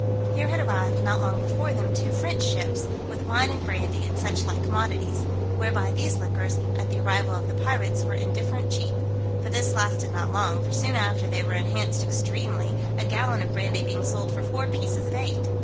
Here had arrived, not long before them, two French ships, with wine and brandy, and suchlike commodities; whereby these liquors, at the arrival of the pirates, were indifferent cheap. But this lasted not long, for soon after they were enhanced extremely, a gallon of brandy being sold for four pieces of eight.